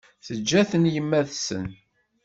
Teǧǧa-ten yemma-tsen.